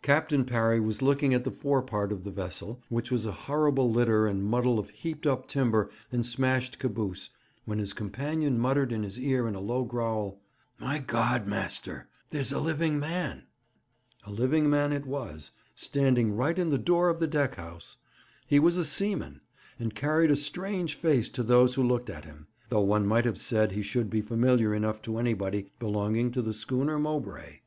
Captain Parry was looking at the forepart of the vessel, which was a horrible litter and muddle of heaped up timber and smashed caboose, when his companion muttered in his ear in a low growl: 'My God, master, there's a living man!' A living man it was, standing right in the door of the deck house. He was a seaman, and carried a strange face to those who looked at him, though one might have said he should be familiar enough to anybody belonging to the schooner Mowbray.